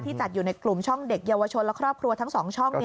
จัดอยู่ในกลุ่มช่องเด็กเยาวชนและครอบครัวทั้ง๒ช่อง